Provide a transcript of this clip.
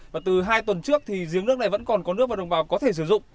và từ hai tuần trước thì giếng nước này vẫn còn có nước và đồng bào có thể sử dụng